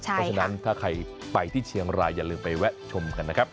เพราะฉะนั้นถ้าใครไปที่เชียงรายอย่าลืมไปแวะชมกันนะครับ